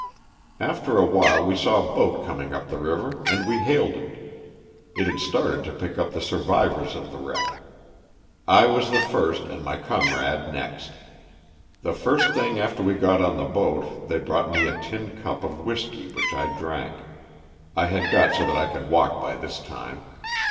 After a while we saw a boat coming up the river and we hailed it. It had started to pick up the survivors of the wreck. I was the first and my comrade next. The first thing after we got on the boat they brought me a tin cup of whiskey which I drank. I had got so that I could walk by this time.